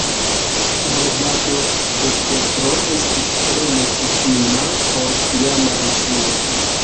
Regado de Petro estis tre nekutima por tiama Rusio.